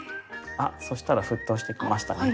あそしたら沸騰してきましたね。